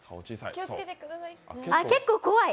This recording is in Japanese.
結構怖い。